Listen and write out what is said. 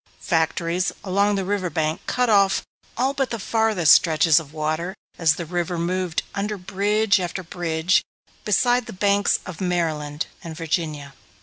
Factories along the riverbank cut off all but the farthest stretches of water as the river moved under bridge after bridge beside the banks of Maryland and Virginia.